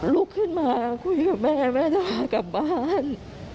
ลุกขึ้นมาคุยกับแม่แม่จะพากลับบ้าน